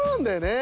え！